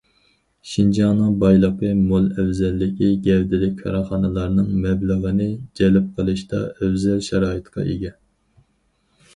شىنجاڭنىڭ بايلىقى مول، ئەۋزەللىكى گەۋدىلىك، كارخانىلارنىڭ مەبلىغىنى جەلپ قىلىشتا ئەۋزەل شارائىتقا ئىگە.